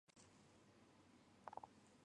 曾任行政院秘书长及行政院政务委员。